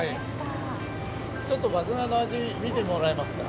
ちょっと麦芽の味、見てもらえますか？